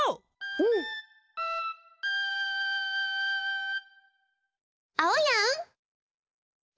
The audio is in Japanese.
うん！あおやん。